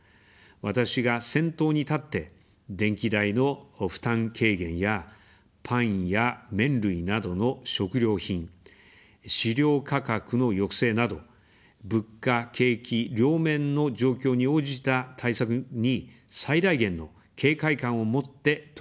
私が先頭に立って、電気代の負担軽減やパンや麺類などの食料品、飼料価格の抑制など、物価、景気両面の状況に応じた対策に最大限の警戒感を持って取り組んでいます。